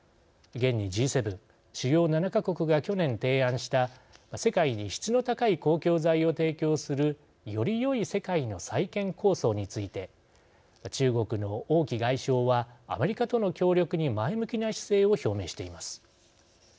現にＧ７＝主要７か国が去年、提案した世界に質の高い公共財を提供するよりよい世界の再建構想について中国の王毅外相はアメリカとの協力に前向きな姿勢を表明しています。